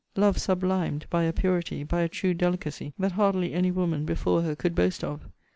Love sublimed by a purity, by a true delicacy, that hardly any woman before her could boast of.